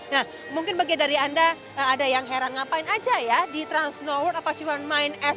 nah mungkin bagian dari anda ada yang heran ngapain aja ya di trans snow world apa cuman main es